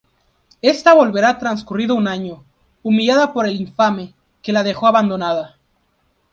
Ésta volverá transcurrido un año, humillada por el infame, que la dejó abandonada.